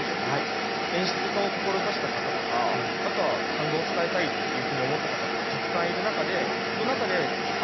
演出家を志した方とかあとは感動を伝えたいというふうに思った方ってたくさんいる中でその中で亞